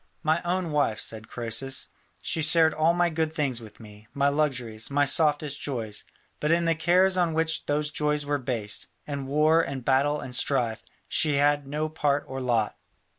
"My own wife," said Croesus; "she shared all my good things with me, my luxuries, my softest joys; but in the cares on which those joys were based, in war and battle and strife, she had no part or lot.